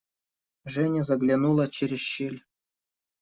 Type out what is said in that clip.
Женя заглянула через щель.